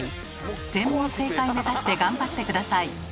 全問正解目指して頑張って下さい。